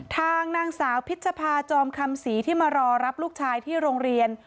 ทางนางสาวพิชภาจอมคำศรีที่มารอรับลูกชายที่โรงเรียน